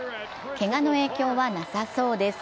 けがの影響はなさそうです。